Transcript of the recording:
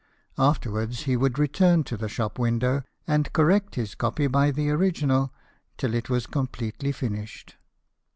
Afterwards he would return to the shop window, and correct his copy by the original till it was completely finished.